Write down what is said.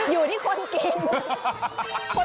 อยู่ที่คนกิน